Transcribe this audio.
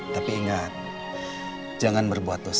tapi ingat jangan berbuat dosa